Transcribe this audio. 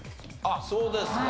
あっそうですか。